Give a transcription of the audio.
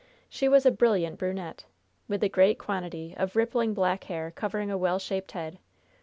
She was a brilliant brunette, with a great quantity of rippling black hair covering a well shaped head.